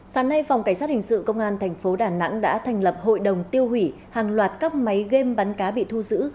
sáng nay phòng cảnh sát hình sự công an tp đà nẵng đã thành lập hội đồng tiêu hủy hàng loạt cấp máy game bắn cá bị thu giữ